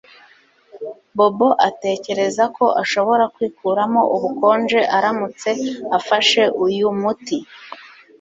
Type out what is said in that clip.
Bobo atekereza ko ashobora kwikuramo ubukonje aramutse afashe uyu muti